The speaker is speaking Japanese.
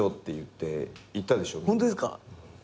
ホントですか？